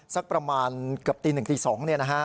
สักประมาณเกือบตีหนึ่งตีสอง